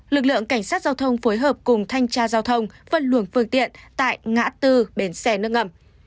lực lượng cảnh sát giao thông phối hợp cùng thanh tra giao thông phân luồng phương tiện tại ngã tư bến xe nước ngầm